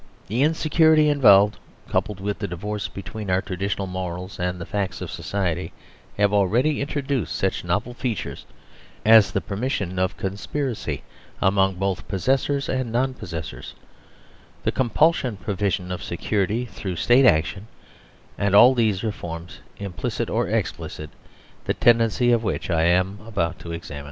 The insecurity involved, coupled with the divorce between our traditional morals and the facts of society, have already introduced such novel features as the permission of conspiracy among both possessors and non possessors, the compulsory provision of security through State action, and all these reforms, implicit or explicit, the tendency of which I am about to examine.